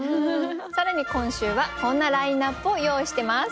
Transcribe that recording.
更に今週はこんなラインナップを用意してます。